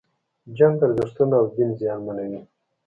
جنگ ارزښتونه او دین زیانمنوي.